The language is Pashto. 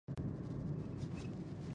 شهرت هم یو څو شېبې وي د سړي مخ ته ځلیږي